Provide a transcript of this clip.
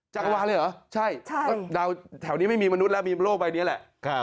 จักรวาลเลยเหรอใช่ดาวแถวนี้ไม่มีมนุษย์แล้วมีโลกใบนี้แหละ